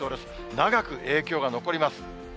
長く影響が残ります。